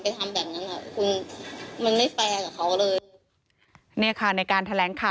พี่ลองคิดดูสิที่พี่ไปลงกันที่ทุกคนพูด